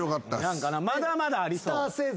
まだまだありそう。